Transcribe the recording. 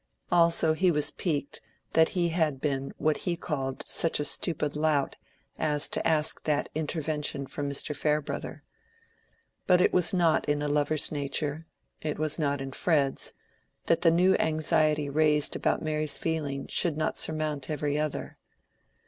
Also he was piqued that he had been what he called such a stupid lout as to ask that intervention from Mr. Farebrother. But it was not in a lover's nature—it was not in Fred's, that the new anxiety raised about Mary's feeling should not surmount every other.